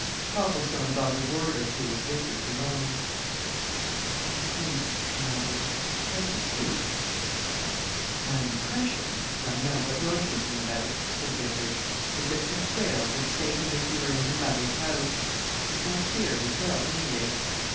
Copplestone got a word or two with Vickers alone. "What do you think?" he muttered. "Shall you sleep?" "My impression for I know what you're thinking about," said Vickers, "is that Miss Greyle's as safe as if she were in her mother's house! She's no fear, herself, anyway.